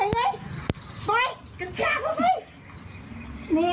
ตายแล้วตายแล้ว